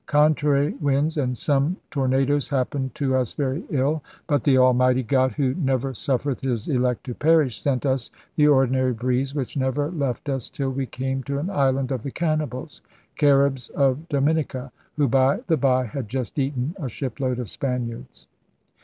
'Contrary winds and some tor nados happened to us very ill. But the Almighty God, who never suffereth His elect to perish, sent us the ordinary Breeze, which never left us till we came to an island of the Cannibals' (Caribs of Dominica), who, by the by, had just eaten a shipload of Spaniards.